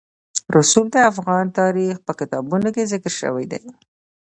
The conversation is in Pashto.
رسوب د افغان تاریخ په کتابونو کې ذکر شوي دي.